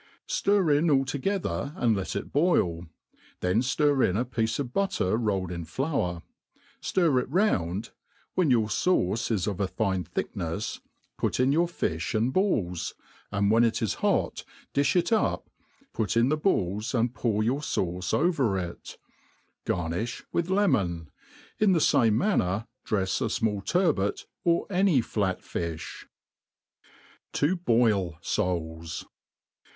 Stir in all together and let it boil, then ftir in a piece of butter rolled in flour { ftir it round, when your fauce is of a fine'thicknefs put in your fi(h and balls, and when it is hot diih it up, put in the balls, and pour your fau.ce pver ir» Garniih with lemon. In the fame manner drefs a fm^U tun bat. Or any flat fifh. To boil Soals.